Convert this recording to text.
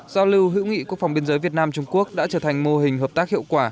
giao lưu hữu nghị quốc phòng biên giới việt nam trung quốc đã trở thành mô hình hợp tác hiệu quả